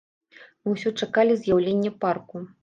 Мы ўсе чакалі з'яўлення парку.